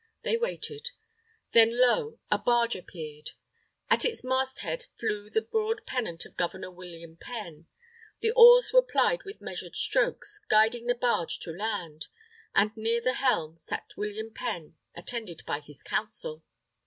They waited. Then, lo! a barge approached. At its masthead flew the broad pennant of Governor William Penn. The oars were plied with measured strokes, guiding the barge to land. And near the helm sat William Penn attended by his council.